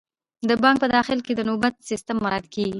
د بانک په داخل کې د نوبت سیستم مراعات کیږي.